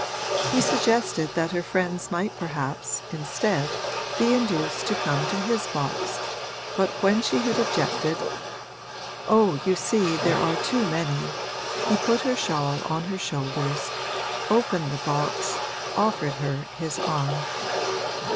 He suggested that her friends might perhaps, instead, be induced to come to his box, but when she had objected, 'Oh, you see, there are too many,' he put her shawl on her shoulders, opened the box, offered her his arm.